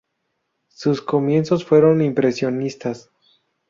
Sus comienzos fueron impresionistas.